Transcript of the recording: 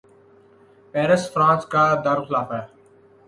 Paris France کا دارلخلافہ ہے